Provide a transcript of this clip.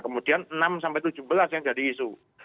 kemudian enam sampai tujuh belas yang jadi isu